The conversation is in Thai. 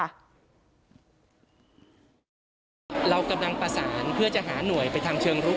อีกส่วนนึงกำลังฝรรดิหาหน่วยทำคัดกลองเชิงลุก